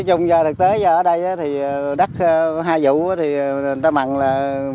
nói chung giờ thực tế giờ ở đây thì đất hai vụ thì người ta mằng là